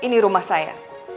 ini rumah saya